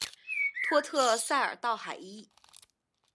托特塞尔道海伊。